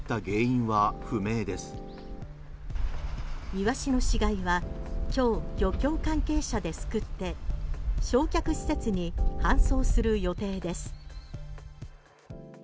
イワシの死骸は今日漁協関係者ですくって焼却施設に搬送する予定です。